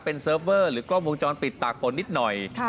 เป็นเซิร์ฟเวอร์หรือกล้องวงจรปิดตากฝนนิดหน่อย